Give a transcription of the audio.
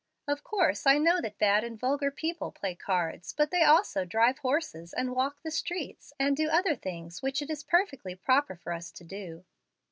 Of course I know that bad and vulgar people play cards, but they also drive horses and walk the streets, and do other things which it is perfectly proper for us to do."